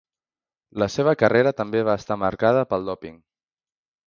La seva carrera també va estar marcada pel dòping.